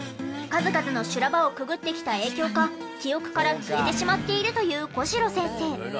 数々の修羅場をくぐってきた影響か記憶から消えてしまっているという小代先生。